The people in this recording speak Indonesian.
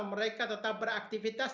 mereka tetap beraktivitas